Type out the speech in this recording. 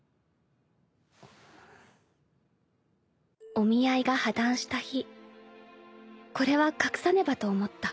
［お見合いが破談した日これは隠さねばと思った］